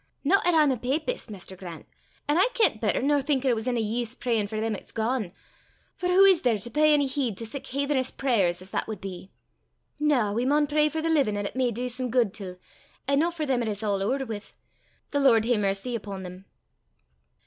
no 'at I'm a papist, Maister Grant, an' aye kent better nor think it was ony eese prayin' for them 'at's gane; for wha is there to pey ony heed to sic haithenish prayers as that wad be? Na! we maun pray for the livin' 'at it may dee some guid till, an' no for them 'at it's a' ower wi' the Lord hae mercy upo' them!"